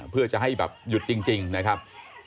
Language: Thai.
เพื่อจะให้แบบหยุดจริงนะครับ